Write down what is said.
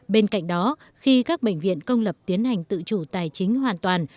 bên cạnh đó khi các bệnh viện công lập tiến hành tự chủ tài chính hoàn toàn